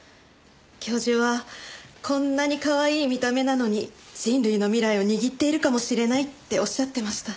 教授は「こんなにかわいい見た目なのに人類の未来を握っているかもしれない」っておっしゃってました。